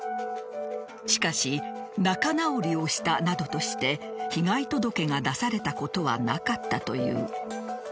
しかし、仲直りをしたなどとして被害届が出されたことはなかったという。